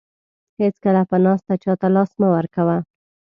هیڅکله په ناسته چاته لاس مه ورکوه.